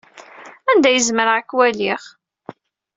Anda ay zemreɣ ad k-waliɣ?